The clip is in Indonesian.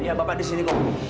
iya bapak ada di sini